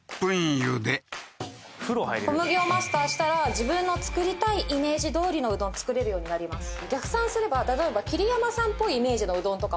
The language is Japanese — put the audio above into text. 茹で小麦をマスターしたら自分の作りたいイメージどおりのうどん作れるようになりますあっ